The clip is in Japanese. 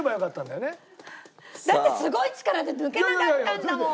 だってすごい力で抜けなかったんだもん！